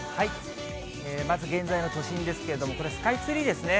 まず現在の都心ですけれども、これ、スカイツリーですね。